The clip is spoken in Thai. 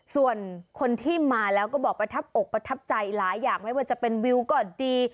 ส่วนคนที่มาแล้วก็บอกประทับอกประทับใจหลายอย่างไม่ว่าจะเป็นวิวก็ดี